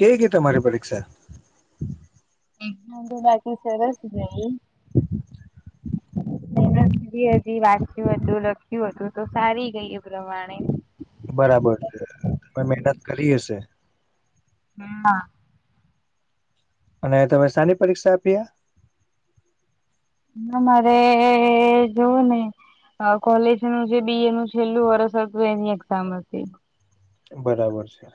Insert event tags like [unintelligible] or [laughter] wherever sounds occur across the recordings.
કેવી ગેય તમારી પરીક્ષા? એકમા તો બાકી સરસ ગઈ મેનતભી હતી, વાંચ્યું હતું, લખ્યું હતું, તો સારી ગઈ એ પ્રમાણે બરાબર છે પણ મેનત કરી હશે. હા, અને તમે સાની પરીક્ષા આપીઆ ન, મારે જોઉને કોલેજનું જે બી. એ નું છેલ્લું વરસ હતું એની એક્ઝામ હતી. બરાબર છે,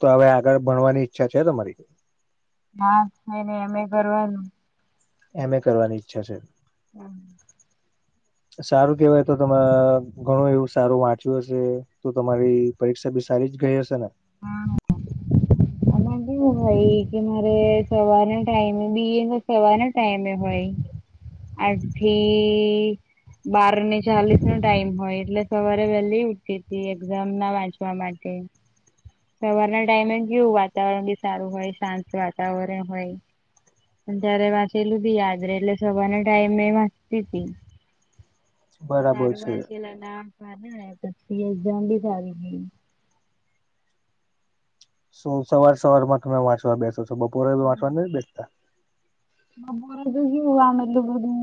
તો અવે આગળ ભણવાની ઈચ્છા છે તમારી? હા, છે ને મે ભરવાનું એમ. એ કરવાની ઈચ્છા છે. હમ, સારું કેવાય તો તમા ઘણું એવું સારું વાંચ્યું હશે, તો તમારી પરીક્ષા બી સારી જ ગઈ હશે ને હા, એનાભી હોય કે મારે સવારને ટાઈમે બી. એનુ સવારને ટાઈમે હોય. આજથી બારને ચાલીસનો ટાઈમ હોય એટલે સવારે વેલી ઉઠતી તી એક્ઝામના વાંચવા માટે સવારના ટાઈમે ગીયુ વાત તાવરણ બી સારું હોય, શાંત વાતાવરણ હોય. ત્યારે વાંચલું બી યાદ રેય એટલે સવારના ટાઈમે વાંચતી તી બરાબર સારું છે વાચેલાને આમ પાનાએ પછી એકઝામ બી સારી ગેઈ શું સવાર સવારમાં તમે વાંચવા બેસો છો બપોરે ને‌ એવુ વાંચવા નઈ બેસતા બપોરે તો કેવુ આમ એટલુ બધું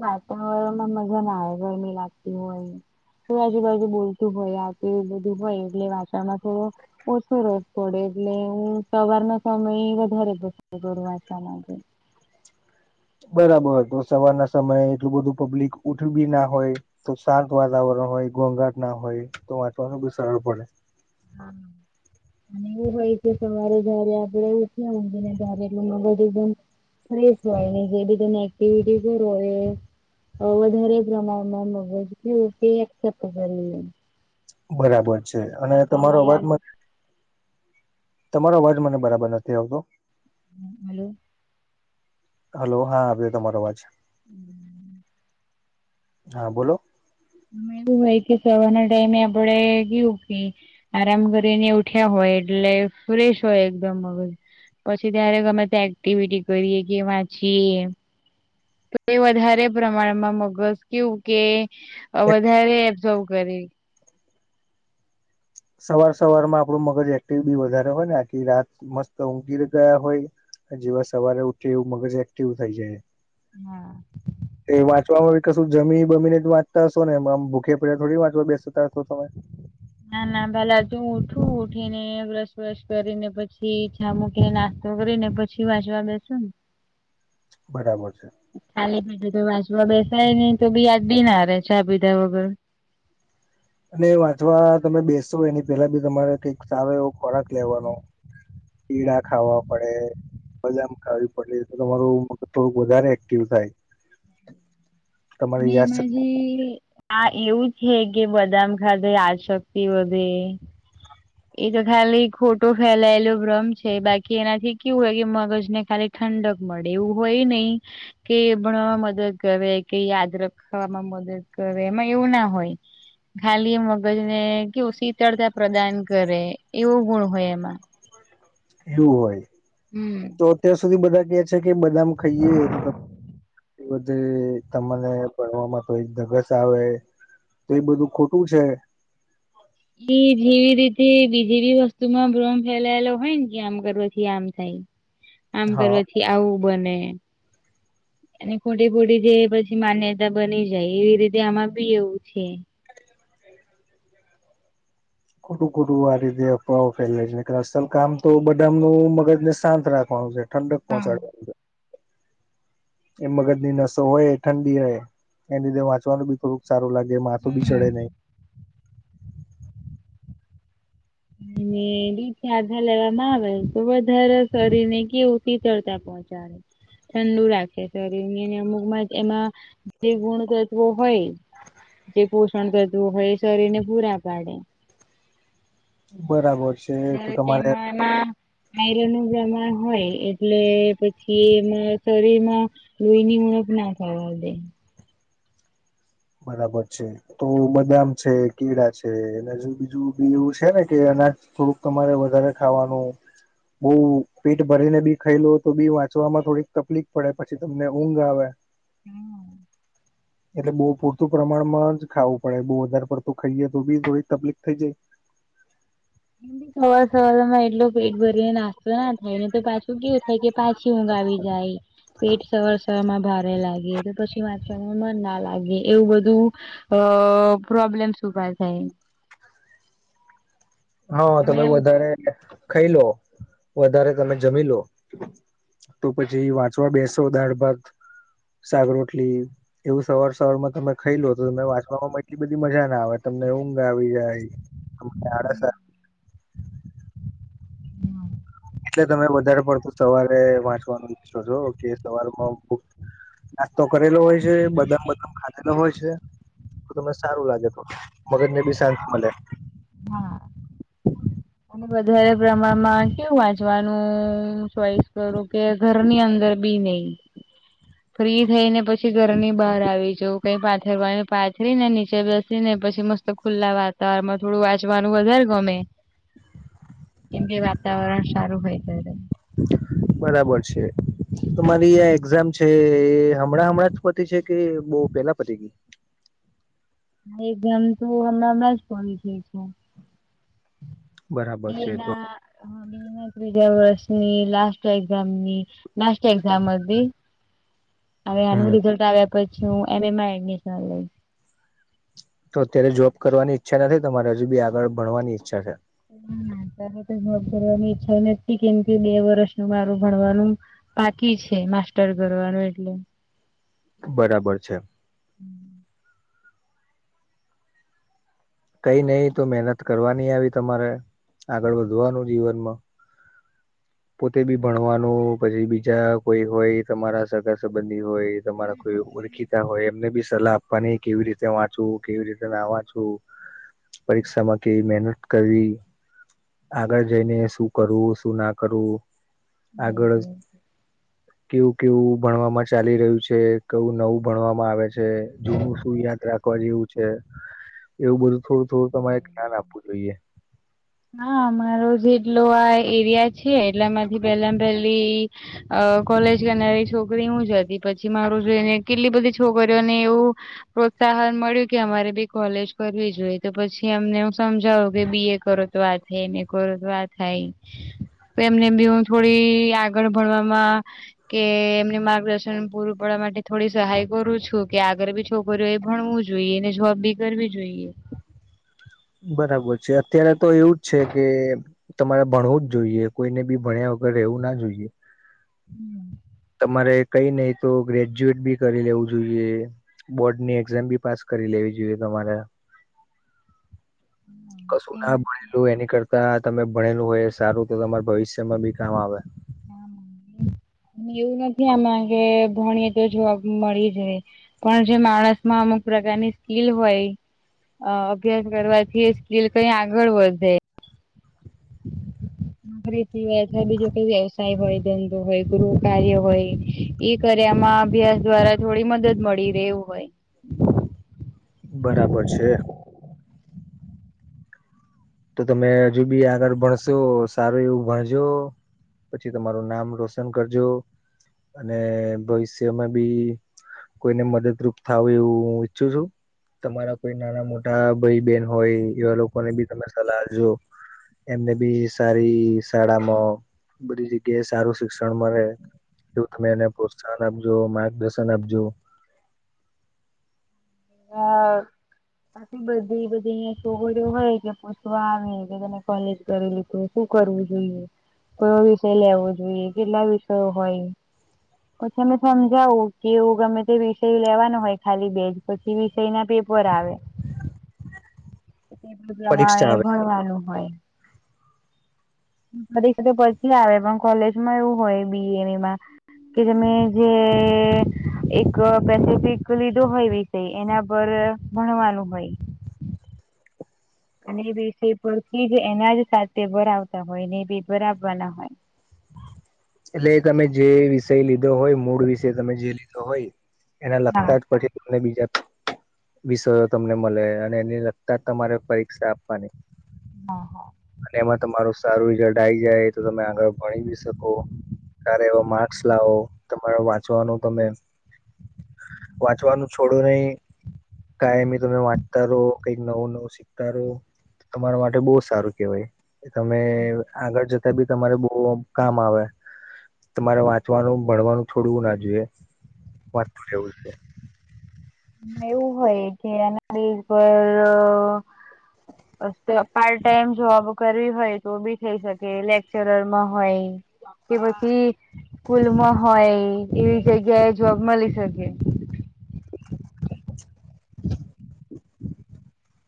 વાતાવરણમાં મજા ના આવે ગરમી લાગતી હોય. કોઈ આજુબાજુ બોલતું હોય આ તે બધું હોય એટલે વાંચવામાં થોડું ઓછો રસ પડે એટલે હુ સવારના સમય વધારે પડે વાંચવા માટે બરાબર તો સવારના સમયે એટલું બધું પબ્લિક ઉઠયુ બી ના હોય. તો શાંત વાતાવરણ હોય, ગોંઘાટ ના હોય તો વાંચવાનુ બી સરળ પડે. હા, અને એવું હોય કે સવારે જયારે આપડે ઉઠ્યા ઉગી ને ત્યારે એટલુ મગજ જ બંધ ફ્રેશ હોય ને જે બી તમે એક્ટિવિટી કરો અવે વધારે પ્રમાણમાં મગજ કું તે સેપ કરલીયે બરાબર છે અને તમારો વાંચવામાં યાદ અવાજમાં તમારો અવાજ મને બરાબર નથી આવતો હલો હલો હા આવ્યો તમારો અવાજ [inaudible] હા બોલો મેદુ હોય કે સવારના ટાઈમે આપડે કેવું કે આરામ કરીને ઉઠ્યા હોય એટલે ફ્રેશ હોય એકદમ અગજ પછી ત્યારે ગમે ત્યા એક્ટિવિટી કરીએ કે વાંચીએ. તો એ વધારે પ્રમાણમાં મગજ કેવું કે એક વધારે એબ્ઝોર્વ કરે સવાર સવાર માં આપડું મગજ એક્ટિવ બી વધારે હોય ને આખી રાત મસ્ત ઊઘી ગયા હોઇએ જેવા સવારે ઉઠી એવું મગજ એક્ટિવ થઇ જાય હા એ વાંચવામા કશું જમી બમીને જ વાંચ હશો ને આમ ભૂખે પડ્યા થોડી વાંચવા બેસતાશો તમે ના ના પહેલા તો હું ઉઠું ઉઠી ને બ્રશ વ્રશ કરીને પછીછા મૂકી ને છોકરી ને પછી વાંચવા બેસો બરાબર છે. ખાલી પીઠ તો વાચવા બેસાય નહી તો બી યાદ બી ના રે ચા પીધા વગર. અને વાંચવા તમે બેશો એની પેલા બી તમારે કઈક સારો એવો ખોરાક લેવાનો કીળા ખાવા પડે બદામ ખાવી પડે તમારું મગજ થોડુંક વધારે એક્ટિવ થાય. તમારી અને યાદશક્તિ માજી હા એવું છે કે બદામ ખાધે યાદ શક્તિ વધે. એક ખાલી ખોટો ફેલાયેલો ભ્રમ છે બાકી એનાથી કેવું હોય કે મગજ ને ખાલી ઠંડક મળે એવું હોય નહી કે ભણવામાં મદદ કરે કે યાદ રખવામાં મદદ કરે એમાં એવું ના હોય. ખાલી એ મગજ ને કેવું શીતળતા પ્રદાન કરે એવો ગુણ હોય એમાં. એવું હોય. હમ તો અત્યાર સુધી બધા કે છે કે બદામ ખાઈએ તો એ બધી તમને ભણવામાં કોઈ ધગસ આવે તો એ બધું ખોટું છે. એ જેવી રીતે બીજી બી વસ્તુ માં ભ્રમ ફેલાયેલો હોય ને કે આમ કરવાથી આમ થાય આમ હા કરવાથી આવું બને અને ખોટી ખોટી જે પછી માન્યતા બની જાય એવી રીતે આમાં બી એવું છે. ખોટું ખોટું આ રીતે અફવાઓ ફેલાઈ છે અસલ કામ તો બદામ નું મગજને શાંત રાખવાનું છે. ઠંડક પહોંચાડે એ મગજ ની નસો હોય ઠંડી રહે એ લીધે વાંચવાનું બી થોડું સારું લાગે માથું બી ચડે નહીં. એને દૂધથી હાથે લેવામાં આવે તો વધારે શરીર ને કેવું શીતળતા બજાર ઠંડુ રાખે શરીર ની અમુક માં જ એમાં જે ગુણ તત્વો હોય જે પોષણ કરતું હોય એ શરીર ને પૂરા પાડે. બરાબર છે. તો [unintelligible] તમારે તેમાં એના આયરનુ પ્રમાણ હોય એટલે પછી એમાં શરીરમાં લોહી ની ઉણપ ના થવા દે. બરાબર છે. તો બદામ છે કેળા છે એના જેવુ બીજું બી એવું છે ને કે અનાજ થોડુંક તમારે વધારે ખાવાનું બહુ પેટ ભરીને બી ખાઈ લો તો બી વાંચવામાં થોડીક તકલીફ પડે પછી તમને ઊંઘ આવે. હમ. એટલે બહુ પૂરતું પ્રમાણમાં જ ખાવું પડે બહુ વધારે પડતું ખાઈએ તો બી થોડીક તકલીફ થઈ જાય. સવાર સવામાં એટલું પેટ ભરી ના ના થાયને તો પાછું કેવું થાય કે પાછી ઊંઘ આવી જાય. પેટ સવાર સવાર માં ભારે લાગી તો પછી વા ચવામાં મન ના લાગે એવું બધું અ પ્રોબ્લેમ્સ ઉભા થાય. હા તમે અમે વધારે ખાઈ લો વધારે તમે જમી લો તો પછી વાંચવા બેસો દાળ ભાગ સાક રોટલી એવું સવાર સવાર માં તમે ખાઈ લો તો ત વાંચવામાં એટલી બધી મજા ના આવે તમને ઊંઘ આવી જાય. અમ આડસ એટલે તમે વધારે પડતું સવારે વાંચવાનું ઈચ્છો છો કે સવારમાં નાસ્તો કરેલો હોય છે બદામ બદામ ખાધેલો હોય છે. તમને સારું લાગે તો મગજને બી શાંત મળે. હા. વધારે પ્રમાણમાં કેવું વાંચવાનું ચોઈસ કરું કે ઘરની અંદર બી નહી. [inaudible] ફ્રી થઈ ને પછી ઘર ની બહાર આવી જાઉ કઈ પાથર વા પાથરી ને નીચે બેસી ને પછી મસ્ત. ખુલ્લા વાતારણ. થોડું વાંચવાનું વધારે ગમે કેમ કે વાતાવરણ સારું હોય જ. બરાબર છે તમારી આ એક્ઝામ છે હમણાં હમણાં. છે કે બહુ પહેલા પરી ગઈ. હ ગમ ત હમણાં હમણાં જ પડી જઈ છેું. બરાબર છે તો એના. હા બેીના ત્રીજા વર્ષની લસ્ટ એક્ઝામ ની લસ્ટ એક્ઝામ મ. હવે આનું હમ રિઝલ્ટ આવ્યા પછી હું એમ એમાં એડમિશન લઈશ. તો અત્યારે જોબ કરવાની ઈચ્છા નથી તમારે હજુ બી આગળ ભણવાની ઈચ્છા છે. ના ના તાર તો જોબ કરવાની ઈચ્છા નથી કેમ કે બે વર્ષ ન મારું ભણવાનું. બાકી છે માસ્ટર કરવાનું એટલે. બરાબર છે. કઈ નહી તો મહેનત કરવાની આવી તમારે આગળ વધવાનું જીવનમાં. પોતે બી ભણવાનું પછી બીજા કોઈ હોય તમારા સગા સંબંધી હોય. તમારા કોઈ ઓળખીતા હોય એમને બી સલાહ આપવાની કેવી રીતે વાંચું કેવી રીતે ના વાંચું. પરીક્ષામાં કેવી મહેનત કરવી. આગળ જઈને શું કરવું શું ના કરવું આગળ. હ. કેવું કેવું ભણવામાં ચાલી રહ્યું છે કેવું નવું ભણવામાં આવે છે જૂનું શું યાદ રાખ. વા જેવું છે એવું બધું થોડું થોડું તમારે જ્ઞાન આપવું જોઈએ. હા અમારો જેટલો આ એરિયા છે એટલામાંથી પેલા પહેલી. અ કોલેજ કરનારી છોકરી હું જ હતી પછી મારું જોઈને કેટલી બધી છોકરીઓને એવું. પ્રોત્સાહન મળ્યું કે અમારે બી કોલેજ કરવી જોઈએ તો પછી અમને એું સમજાવું કે બી એ કરો. થઈ ને ગરતવા થાય. તો એમને બી હું થોડી આગળ ભણવામાં. કે એમને માર્ગદર્શન પૂરું પાડવા માટે થોડી સહાય કરું છું કે આગળ બી. છોકરીઓ એ ભણવું જોઈએ ને જોવાબ બી કરવી જોઈએ. બરાબર છે અત્યારે તો એવું જ છે કે. તમારે ભણવું જ જોઈએ કોઈને બી ભણ્યા વગર રહેવું ના જોઈએ. હમ. તમારે કઈ નહીિ તો ગ્રેજ્યુએટ બી કરી લેવું જોઈએ. બોર્ડની એક્ઝામ બી પાસ કરી લેવી જોઈએ તમારે. કશું ના ભણેલું એની કરતા તમે ભણેલું હોય સારું તો તમારા ભવિષ્યમાં બી કામ આવે. હ એવું નથી આમાં કે ભણીએે તો જોવા મળી જાય. પણ જે માણસમાં અમુક પ્રકારની સ્કીલ હોય અ અભ્યાસ કરવાથી એ સ્કીલ કઈ આગળ વધે [inaudible] નોકરી સવાય અથવા બીજો કઈ વ્યવસાય હોય ધંધો હોય ગૃહ કાર્ય હોય. એ કર્યામાં અભ્યાસ દ્વારા થોડી મદદ મળી રહ્યું હોય. બરાબર છે. તો તમે હજુ બી આગળ ભણશો સારું એવું ભણજો. પછી તમારું નામ રોશન કરજો અને ભવિષ્યમાં બી કોઈને મદદરૂપ થવો એવું હું ઈચ્છું છું. તમારા કોઈ નાના મોટા ભાઈ બેન હોય એવા લોકોને બી તમે સલાહજો. એમને બી સારી શાળામાં બધી જગ્યાએ સારું શિક્ષણ મળે જોવું તમે એને પ્રોત્સાહન આપજો માર્ગદર્શન આપજો. હા. [inaudible] બધી બધી અહીંયા છોગરીઓ હોય કે પૂછવા આવે કે તને કોલેજ કરી લીધું શું કરવું જોઈએ? કયો વિષય લેવો જોઈએ? કેટલા વિષયો હોય? પછી અમે સમજાવું કે એવું ગમે તે વિષય લેવાનો હોય ખાલી બેજ પછી વિષયના પેપર આવે. પરીક્ષા પ્રમાંણે એ આવે ભણવાનું હોય. પરીક્ષ તો પછી આવે પણ કોલેજમાં એવું હોય બી એમાં કે તમે જે એક પેસફિક લીધો હોય એના પર ભણવાનું હોય. અને બ સે પરથી જ એના જ સાથે ભરાવતા હોય ને બી ભરાવવાના હોય. એટલે તમે જે વિષય લીધો હોય મૂળ વિષય તમે જે લીધો હોય એના હા લગતા જ પછી અને બીજા વિસ તમને મળે અને એને લગતા જ તમારે પરીક્ષા આપવાની. હા હા. અને એમાં તમારું સારું રિઝલ્ટ આ આવી જાય તો તમે આગળ ભણી જ શકો. કારે એવો માર્ક્સ લાવો તમારે વાંચવાનું તમે વાંચવાનું છોડું નહી. કઈ તમે વાંચતા રહો. કઈક નવું નવું શીખતા રહો. તમારા માટે બહુ સારું કેહેવાય. એ તમે આગળ જતા બી તમારે બહ કામ આવે. તમારે વાંચવાનું ભણવાનું થોડવું ના જોઈએ વાંચતું રહેવું છે. એવું હોય કે એના ઉપર બ પાર્ટ ટાઈમ જોબ કરવી હોય તો બી થઈ શકે લેક્ચરરમાં હોય. કે પછી સ્કૂલમાં હોય એવી જગ્યાએ જોબ મળી શકે. [inaudible]